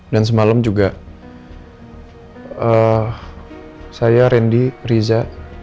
dan semalam juga saya rendy riza